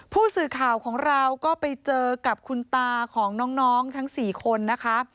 ผู้สื่อข่าวของเราก็ไปเจอกับคุณตาของน้องทั้ง๔คนนะคะ